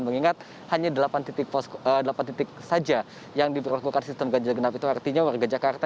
mengingat hanya delapan titik saja yang diberlakukan sistem ganjil genap itu artinya warga jakarta